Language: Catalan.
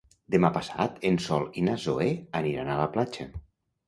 Demà passat en Sol i na Zoè aniran a la platja.